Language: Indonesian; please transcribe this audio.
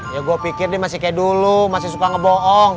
ya gue pikir dia masih kayak dulu masih suka ngebohong